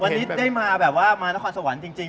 วันนี้ได้มาแบบว่ามานครสวรรค์จริง